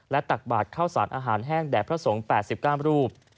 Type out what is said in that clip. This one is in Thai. ตักบาทเข้าสารอาหารแห้งแด่พระสงฆ์๘๙รูป